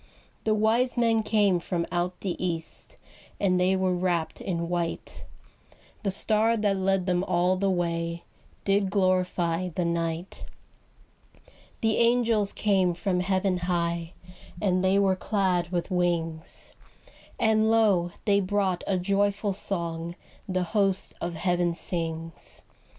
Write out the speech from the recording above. The wise men came from out the east, And they were wrapped in white; The star that led them all the way Did glorify the night. The angels came from heaven high, And they were clad with wings; And lo, they brought a joyful song The host of heaven sings.